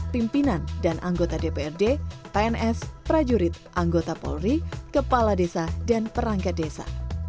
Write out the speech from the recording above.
pimpinan dan anggota dprd pns prajurit anggota polri kepala desa dan perangkat desa